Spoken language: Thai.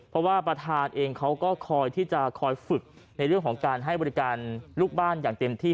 เพราะว่าประธานเองเขาก็คอยที่จะคอยฝึกในเรื่องของการให้บริการลูกบ้านอย่างเต็มที่